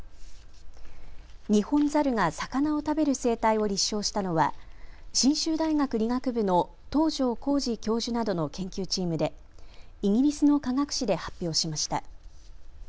ニホンザルが魚を食べる生態を立証したのは信州大学理学部の東城幸治教授などの研究チームでイギリスの科学誌で発表しました。